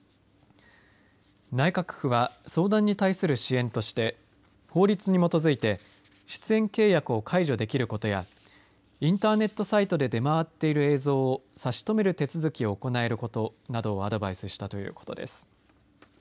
内閣府は相談に対する支援として法律に基づいて出演契約を解除できることやインターネットサイトで出回っている映像を差し止める手続きを行えることなどをアドバイスしたということです。